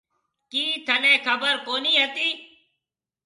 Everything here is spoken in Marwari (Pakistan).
ڪِي ٿنَي خبر ڪونھيَََ ھتِي۔